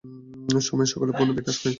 সময়ে সকলেরই পূর্ণ বিকাশ হয়।